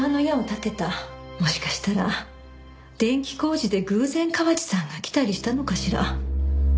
もしかしたら電気工事で偶然河内さんが来たりしたのかしら。